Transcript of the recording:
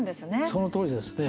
そのとおりですね。